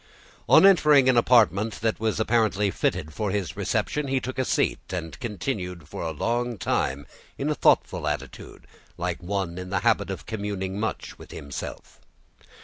On entering an apartment that was apparently fitted for his reception, he took a seat, and continued for a long time in a thoughtful attitude, like one in the habit of communing much with himself.